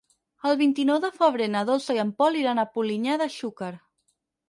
El vint-i-nou de febrer na Dolça i en Pol iran a Polinyà de Xúquer.